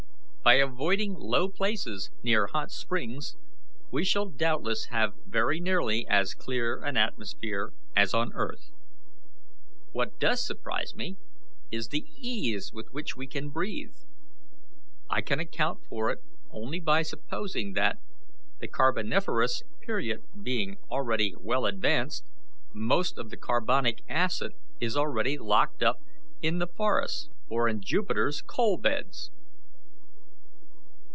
By avoiding low places near hot springs, we shall doubtless have very nearly as clear an atmosphere as on earth. What does surprise me is the ease with which we breathe. I can account for it only by supposing that, the Carboniferous period being already well advanced, most of the carbonic acid is already locked up in the forests or in Jupiter's coal beds."